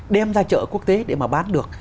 đem ra chợ quốc tế để mà bán được